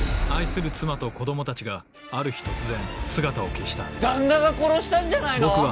愛する妻と子供たちがある日突然姿を消した旦那が殺したんじゃないの？